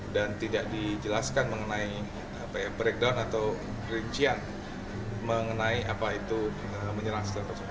dan tidak dijelaskan mengenai breakdown atau kerincian mengenai apa itu menyerang